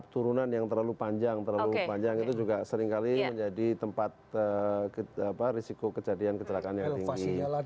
turunan yang terlalu panjang terlalu panjang itu juga seringkali menjadi tempat risiko kejadian kecelakaan yang tinggi